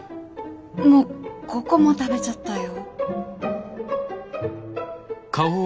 もう５個も食べちゃったよ。